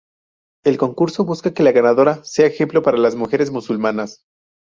El concurso busca que la ganadora sea ejemplo para las mujeres musulmanas.